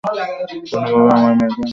কোনোভাবে আমার মেয়েকে বাঁচান স্যার।